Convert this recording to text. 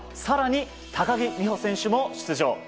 更に、高木美帆選手も出場。